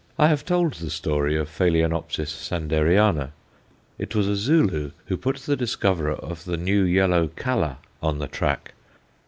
I have told the story of Phaloenopsis Sanderiana. It was a Zulu who put the discoverer of the new yellow Calla on the track.